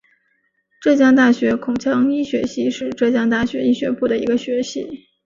浙江大学口腔医学系是浙江大学医学部的一个学系。